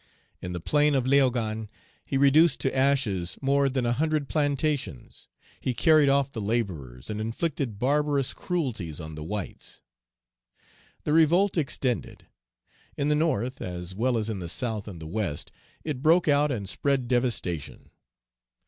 In the plain of Léogane he reduced to ashes more than a hundred plantations; he carried off the laborers, and inflicted barbarous cruelties on the whites. The revolt extended. In the North, as well as in the South and the West, it broke out and spread devastation.